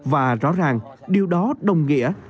và rõ ràng điều đó đồng nghĩa